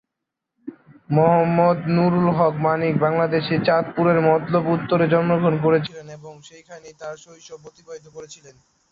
মোহাম্মদ নুরুল হক মানিক বাংলাদেশের চাঁদপুরের মতলব উত্তরে জন্মগ্রহণ করেছিলেন এবং সেখানেই তার শৈশব অতিবাহিত করেছিলেন।